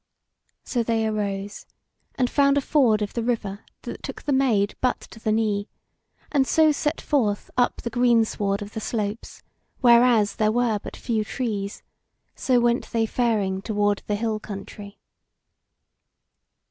So they arose, and found a ford of the river that took the Maid but to the knee, and so set forth up the greensward of the slopes whereas there were but few trees; so went they faring toward the hill country.